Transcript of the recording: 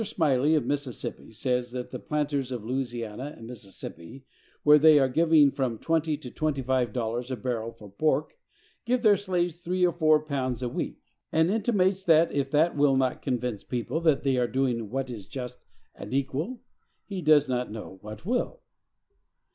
Smylie, of Mississippi, says that the planters of Louisiana and Mississippi, when they are giving from twenty to twenty five dollars a barrel for pork, give their slaves three or four pounds a week; and intimates that, if that will not convince people that they are doing what is just and equal, he does not know what will.